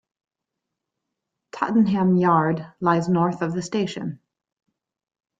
Tottenham Yard lies north of the station.